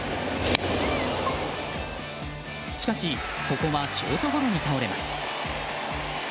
しかし、ここはショートゴロに倒れます。